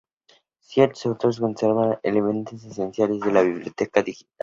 Ciertos autores observan los elementos esenciales de la biblioteca digital.